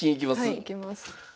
はいいきます。